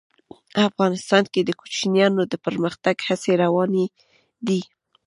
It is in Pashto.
افغانستان کې د کوچیانو د پرمختګ هڅې روانې دي.